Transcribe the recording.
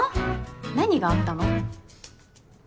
何があったの？